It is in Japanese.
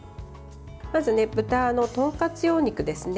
まず、豚のとんかつ用肉ですね。